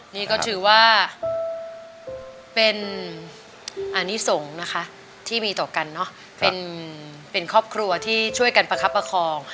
นี่ก็ถือว่าเป็นอานิสงฆ์นะคะที่มีต่อกันเนอะเป็นครอบครัวที่ช่วยกันประคับประคอง